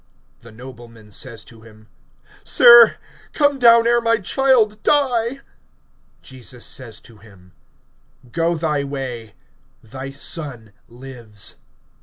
(49)The nobleman says to him: Sir, come down ere my child die. (50)Jesus says to him: Go thy way; thy son lives.